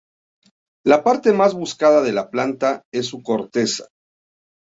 La parte más buscada de la planta es su corteza.